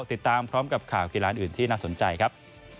ติดตามพร้อมกับข่าวกีฬานอื่นที่น่าสนใจครับ